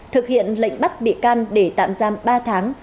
thực hiện lệnh bắt bị can để tạm giam ba tháng